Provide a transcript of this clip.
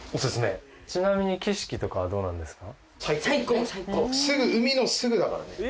ちなみに景色とかはどうなんですか？